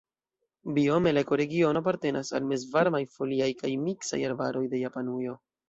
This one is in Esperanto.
Biome la ekoregiono apartenas al mezvarmaj foliaj kaj miksaj arbaroj de Japanujo.